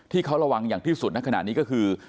ที่เขาระวังอย่างที่สุดก็คือ